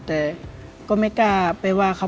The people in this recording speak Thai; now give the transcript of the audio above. แต่ก็ไม่กล้าไปว่าเขา